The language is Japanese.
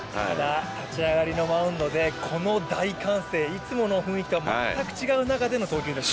立ち上がりのマウンドでこの大歓声、いつもの雰囲気とは全く違う中での投球練習。